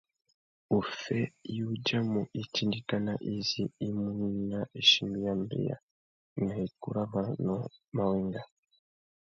Uffê i udjamú itindikana izí i mú nà ichimbî ya mbeya na ikú râ manônōh mà wenga.